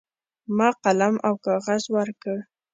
ما قلم او کاغذ ورکړ.